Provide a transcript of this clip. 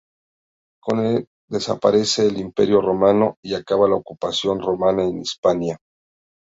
Con el desaparece el imperio Romano y acaba la ocupación romana en Hispania.